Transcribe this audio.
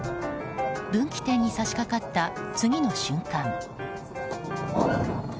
分岐点にさしかかった次の瞬間。